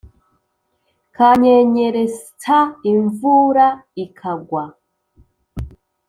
kanyenyeretsa imvura ikag wa